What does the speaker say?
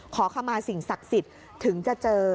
ขอขมาสิ่งศักดิ์สิทธิ์ถึงจะเจอ